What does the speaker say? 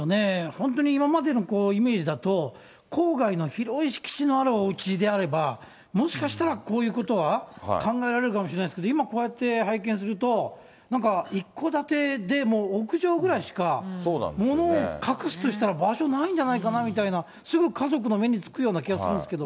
本当に今までのイメージだと、郊外の広い敷地のあるおうちであれば、もしかしたらこういうことは考えられるかもしれないですけど、今、こうやって拝見すると、なんか一戸建てでも屋上ぐらいしかものを隠すとしたら、場所ないんじゃないかなみたいな、すぐ家族の目につくような気がするんですけど。